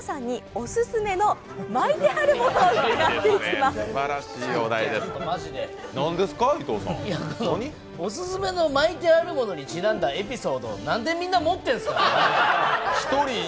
お勧めの巻いてまるものにちなんだエピソード、なんでみんな持ってんですか？